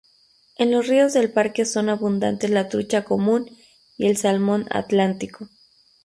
En los ríos del Parque son abundantes la trucha común y el salmón atlántico.